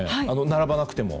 並ばなくても。